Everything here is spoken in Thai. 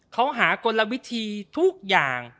เขาหากลวิธีทุกอย่าง